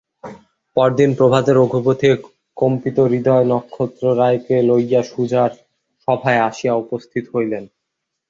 পরদিন প্রভাতে রঘুপতি কম্পিতহৃদয় নক্ষত্ররায়কে লইয়া সুজার সভায় আসিয়া উপস্থিত হইলেন।